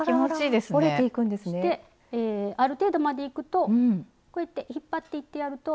そしてある程度までいくとこうやって引っ張っていってやると。